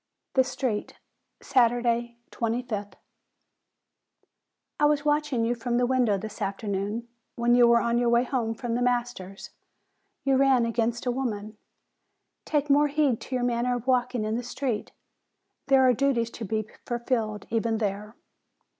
THE STREET Saturday, 25th. I was watching you from the window this afternoon, when you were on your way home from the master's; you ran against a woman. Take more heed to your manner of walking in the street. There are duties to be fulfilled even there.